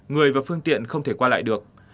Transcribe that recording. người và phương tiện không thể qua lại được